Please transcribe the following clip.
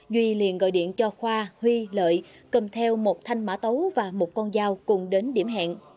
duy liền gọi điện cho khoa huy lợi cầm theo một thanh mã tấu và một con dao cùng đến điểm hẹn